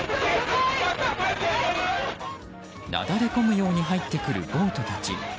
なだれ込むように入ってくる暴徒たち。